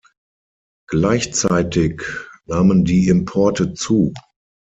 Gleichzeitig nahmen die Importe zu.